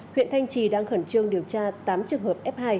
huyện thanh trì đang khẩn trương điều tra tám trường hợp f hai